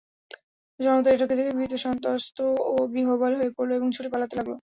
জনতা এটাকে দেখে ভীত-সন্ত্রস্ত ও বিহ্বল হয়ে পড়ল এবং ছুটে পালাতে লাগল।